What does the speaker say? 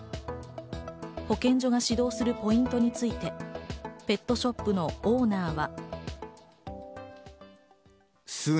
保健所が指導するポイントについてペットショップのオーナーは。